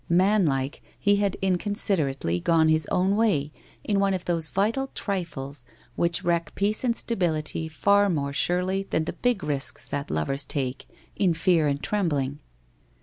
Man like, he had inconsiderately gone his own way in one of those vital trifles which wreck peace and stability far more surely than the big risks that lovers take in fear and trembling.